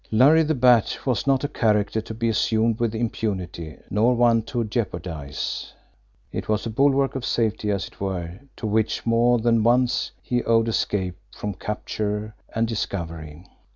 Larry the Bat was not a character to be assumed with impunity, nor one to jeopardize it was a bulwark of safety, at it were, to which more than once he owed escape from capture and discovery.